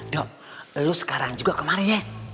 dok lo sekarang juga kemari ya